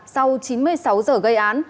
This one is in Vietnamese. sau chín mươi sáu giờ gây án